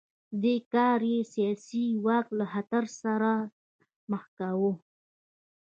دې کار یې سیاسي واک له خطر سره مخ کاوه.